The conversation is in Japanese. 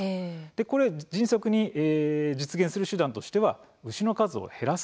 これ、迅速に実現する手段としては牛を減らす？